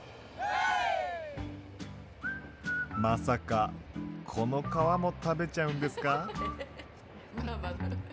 まさかこの皮も食べちゃうんですか？